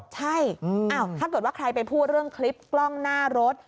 ใช่ถ้าเกิดว่าใครไปพูดเรื่องคลิปกล้องหน้ารถ